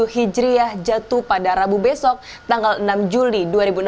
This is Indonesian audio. seribu empat ratus tiga puluh tujuh hijriah jatuh pada rabu besok tanggal enam juli dua ribu enam belas